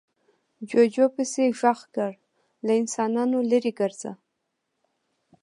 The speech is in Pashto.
جوجو پسې غږ کړ، له انسانانو ليرې ګرځه.